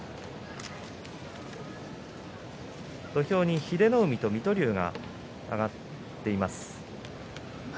土俵に英乃海と水戸龍が上がっています。